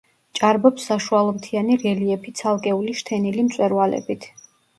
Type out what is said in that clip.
ჭარბობს საშუალმთიანი რელიეფი ცალკეული შთენილი მწვერვალებით.